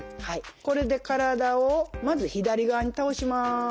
これで体をまず左側に倒します。